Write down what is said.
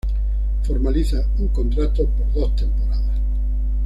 Formaliza un contrato por dos temporadas.